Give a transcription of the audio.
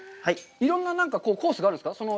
いろんなコースがあるんですか。